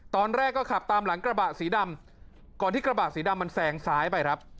ตอนแรกก็ขับตามหลังกระบะสีดำก่อนที่กระบะสีดำมันแซงซ้ายไปครับ